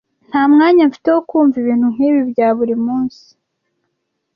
Nta mwanya mfite wo kumva ibintu nkibi bya buri munsi.